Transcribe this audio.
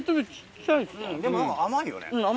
でも甘いよね。